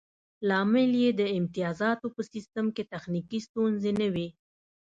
لامل یې د امتیازاتو په سیستم کې تخنیکي ستونزې نه وې